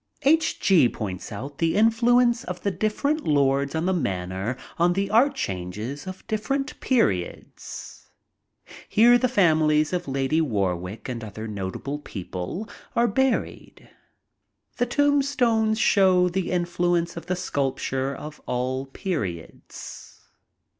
I FLY FROM PARIS TO LONDON 133 H. G. points out the influence of the different lords of the manor on the art changes of different periods. Here the famiHes of Lady Warwick and other notable people are buried. The tombstones show the influence of the sculpture of all periods.